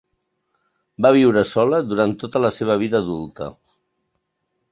Va viure sola durant tota la seva vida adulta.